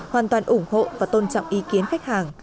hoàn toàn ủng hộ và tôn trọng ý kiến khách hàng